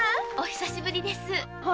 お久しぶりです。